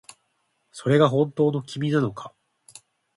それが本当の君なのか